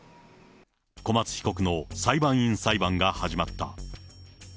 小松被告の裁判員裁判が始まった。